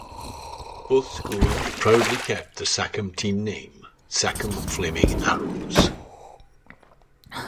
Both schools proudly kept the Sachem team name "Sachem Flaming Arrows".